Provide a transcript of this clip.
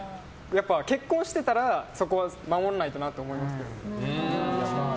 結婚していたらそこは守らないとなと思いますよ。